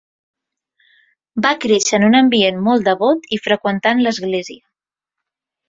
Va créixer en un ambient molt devot i freqüentant l'església.